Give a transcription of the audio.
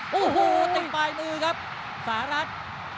หูหูติดปลายมือครับสหรัฐ